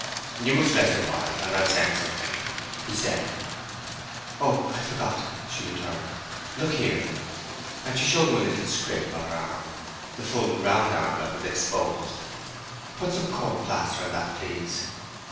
"You must rest a while, and I'll send something," he said. "Oh, I forgot," she returned. "Look here." And she showed him a little scrape on her arm—the full round arm that was exposed. "Put some court plaster on that, please."